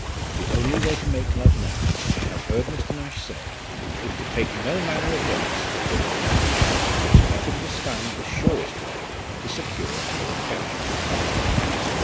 The only way to make love now, I have heard Mr. Nash say, was to take no manner of notice of the lady ; which method was found the surest way to secure her affections.